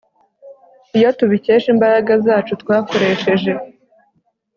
iyo tubikesha imbaraga zacu twakoresheje